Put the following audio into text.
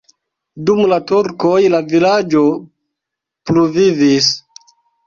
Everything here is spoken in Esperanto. Dum la turkoj la vilaĝo pluvivis.